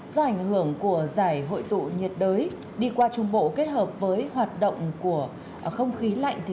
do ảnh hưởng của giải hội tụ nhiệt đới đi qua trung bộ kết hợp với hoạt động của không khí lạnh